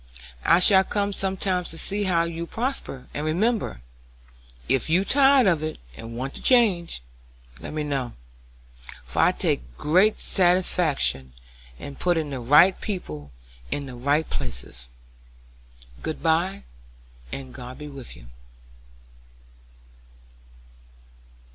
I shall come sometimes to see how you prosper; and remember, if you tire of it and want to change, let me know, for I take great satisfaction in putting the right people in the right places. Good by, and God be with you."